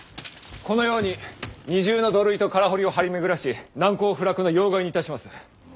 このように２重の土塁と空堀を張り巡らし難攻不落の要害にいたします。